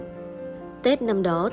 tết năm đó tờ bạn dân là tờ bạn dân